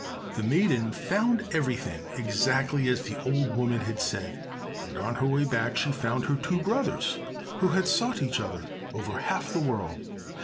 The maiden found everything exactly as the old woman had said, and on her way back she found her two brothers who had sought each other over half the world.